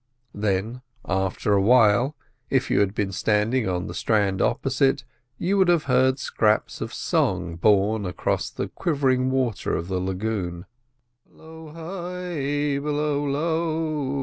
Then, after a while, if you had been standing on the strand opposite, you would have heard scraps of song borne across the quivering water of the lagoon.